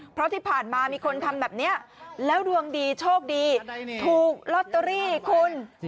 เพราะที่ผ่านมามีคนทำแบบนี้แล้วดวงดีโชคดีถูกลอตเตอรี่คุณ